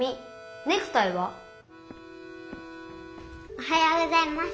おはようございます。